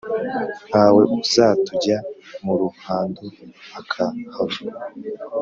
ntawe uzatujya mu ruhando akahava.